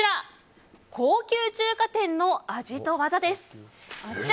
高級中華店の味と技です。